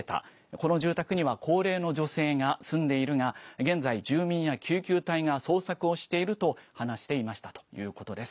この住宅には高齢の女性が住んでいるが、現在、住民や救急隊が捜索をしていると話していましたということです。